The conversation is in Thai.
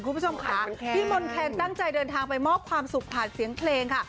ที่มนแครนตั้งใจเดินทางกลงมอบความสุขผ่านเสียงเพลง